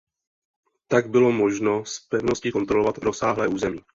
Tak bylo možno z pevnosti kontrolovat rozsáhlé území.